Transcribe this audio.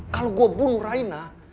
kalau gue bulu reina